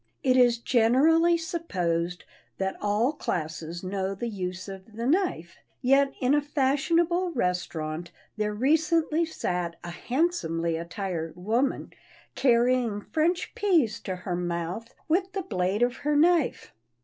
It is generally supposed that all classes know the use of the knife, yet in a fashionable restaurant there recently sat a handsomely attired woman carrying French peas to her mouth with the blade of her knife.